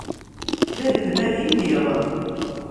D anelmad i lliɣ.